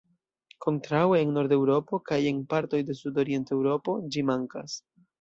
Kontraŭe en Nord-Eŭropo kaj en partoj de Sudorient-Eŭropo ĝi mankas.